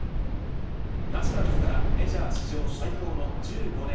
ナショナルズからメジャー史上最高の１５年